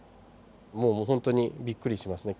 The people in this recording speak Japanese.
もうほんとにびっくりしますね。